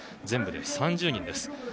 全部で３０人です。